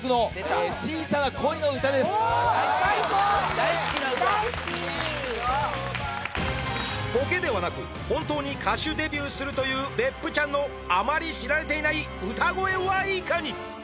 大好きな歌ボケではなく本当に歌手デビューするという別府ちゃんのあまり知られていない歌声はいかに？